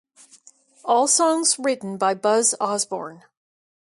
All songs written by Buzz Osborne.